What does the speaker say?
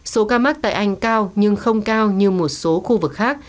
số ca mắc tại anh cao nhưng không cao như một số khu vực khác